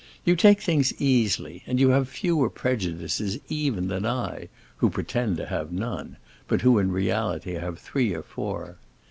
You take things easily, and you have fewer prejudices even than I, who pretend to have none, but who in reality have three or four.